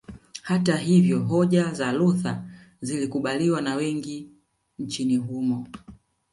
Hata hivyo hoja za Luther zilikubaliwa na wengi nchini humo